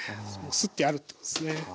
すってあるってことですね。